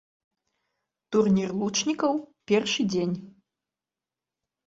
Турнір лучнікаў, першы дзень.